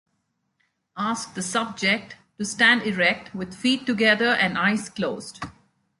Ask the subject to stand erect with feet together and eyes closed.